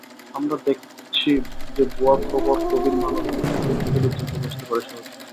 আমরা দেখছি যে ভুয়া খবর গভীর মানবিক প্রবৃত্তিগুলোয় জেঁকে বসতে পারে সহজেই।